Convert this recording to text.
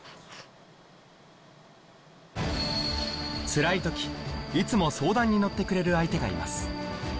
つらい時いつも相談に乗ってくれる相手がいます